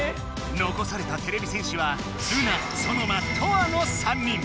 残されたてれび戦士はルナソノマトアの３人。